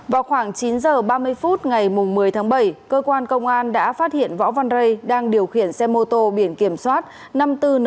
vào khoảng chín giờ ba mươi phút ngày một mươi tháng bảy cơ quan công an đã phát hiện võ văn rây đang điều khiển xe mô tô biển kiểm soát năm mươi bốn n bốn mươi bảy nghìn bảy trăm bốn mươi chín